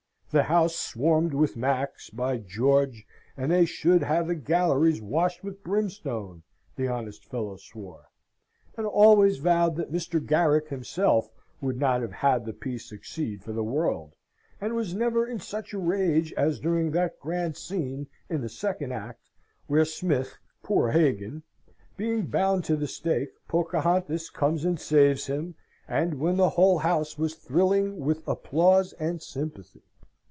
"The house swarmed with Macs, by George, and they should have the galleries washed with brimstone," the honest fellow swore, and always vowed that Mr. Garrick himself would not have had the piece succeed for the world; and was never in such a rage as during that grand scene in the second act, where Smith (poor Hagan) being bound to the stake, Pocahontas comes and saves him, and when the whole house was thrilling with applause and sympathy.